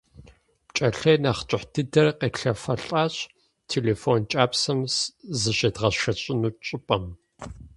ПкӀэлъей нэхъ кӀыхь дыдэр къетлъэфэлӀащ телефон кӀапсэм зыщедгъэшэщӀыну щӀыпӀэм.